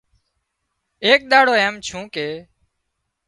ايڪ ۮاڙو ايم ڇُون ڪي